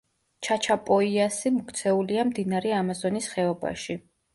ჩაჩაპოიასი მოქცეულია მდინარე ამაზონის ხეობაში.